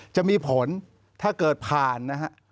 จะมีผลถ้าเกิดผ่านนะฮะ